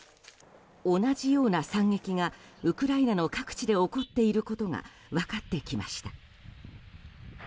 同じような惨劇がウクライナの各地で起こっていることが分かってきました。